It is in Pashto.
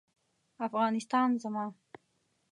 افغانستان زما